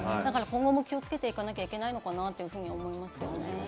だから今後も気をつけていかなきゃいけないのかなと思いますよね。